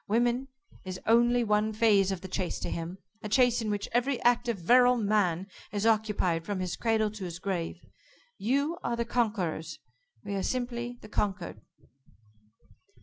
Woman is only one phase of the chase to him a chase in which every active virile man is occupied from his cradle to his grave. You are the conquerors. We are simply the conquered."